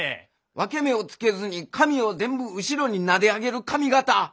分け目をつけずに髪を全部後ろになで上げる髪形。